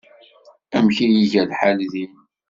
Amek ay iga lḥal din?